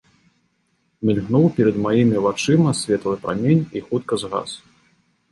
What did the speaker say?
Мільгнуў перад маімі вачыма светлы прамень і хутка згас.